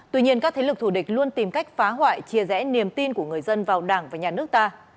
tuy nhiên các thế lực thù địch luôn tìm cách phá hoại chia rẽ niềm tin của người dân vào đảng và nhà nước ta